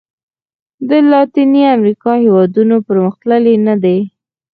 د لاتیني امریکا هېوادونو پرمختللي نه دي.